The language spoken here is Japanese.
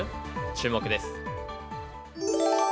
注目です。